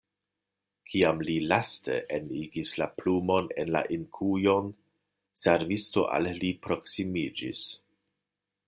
Kiam li laste enigis la plumon en la inkujon, servisto al li proksimiĝis.